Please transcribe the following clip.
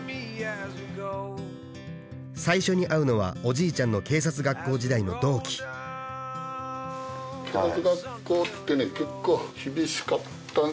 最初に会うのはおじいちゃんの警察学校時代の同期警察学校ってね結構厳しかった。